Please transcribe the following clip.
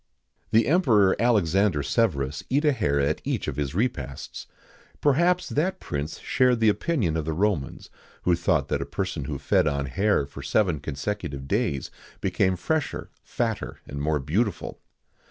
The Emperor Alexander Severus eat a hare at each of his repasts.[XIX 98] Perhaps that prince shared the opinion of the Romans, who thought that a person who fed on hare for seven consectutive days became fresher, fatter, and more beautiful.